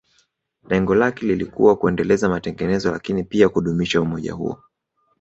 Lengo lake lilikuwa kuendeleza matengenezo lakini pia kudumisha umoja huo